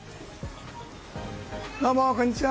どうもこんにちは。